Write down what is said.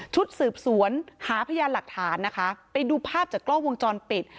ชุดสืบสวนหาพยานหลักฐานนะคะไปดูภาพจากกล้องวงจรปิด